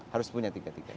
harus punya tiga tiga